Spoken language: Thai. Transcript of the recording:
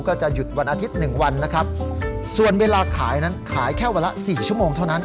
ก็จะหยุดวันอาทิตย์๑วันส่วนเวลาขายนั้นขายแค่วันละ๔ชั่วโมงเท่านั้น